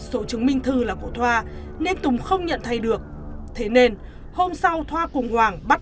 số chứng minh thư là của thoa nên tùng không nhận thay được thế nên hôm sau thoa cùng hoàng bắt